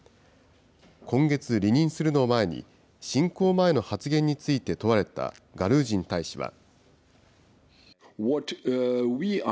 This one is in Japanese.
今月、離任するのを前に、侵攻前の発言について問われたガルージン大使は。